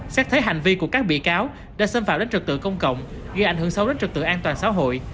xét thấy hành vi của các bị cáo đã xâm phạm đến trực tự công cộng gây ảnh hưởng sâu đến trực tự an toàn xã hội